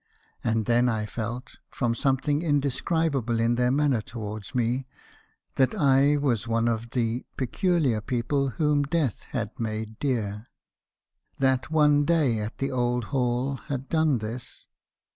And then I felt, from something indescribable in their manner towards me , that I was one of the * Peculiar people, whom Death had made dear/ That one day at the old hall had done this.